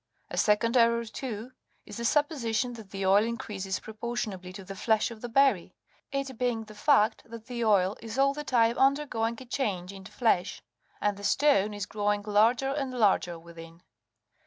A second error, too, is the supposition that the oil increases pro portionably to the flesh of the berry, it being the fact that the oil is all the time undergoing a change into flesh, and the stone is growing larger and larger within.